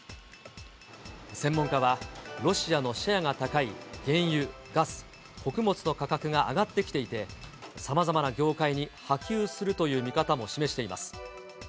専門家は、ロシアのシェアが高い原油、ガス、穀物の価格が上がってきていて、さまざまな業界に波及するという見方も示しています。